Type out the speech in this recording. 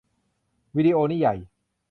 วีดิโอนี่ใหญ่